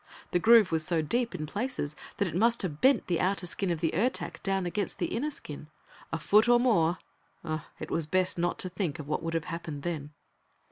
The groove was so deep, in places, that it must have bent the outer skin of the Ertak down against the inner skin. A foot or more it was best not to think of what would have happened then.